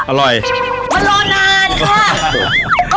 มารอนานค่ะ